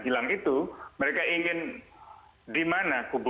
sebagai keluarga sebagai orang yang sangat mencintai aktivis aktivis yang hilang itu